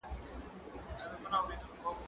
ايا ته ليک لولې،